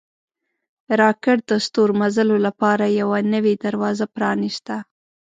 راکټ د ستورمزلو لپاره یوه نوې دروازه پرانیسته